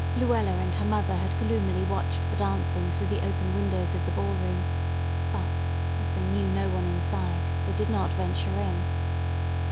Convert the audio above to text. Luella and her mother had gloomily watched the dancing through the open windows of the ballroom; but, as they knew no one inside, they did not venture in.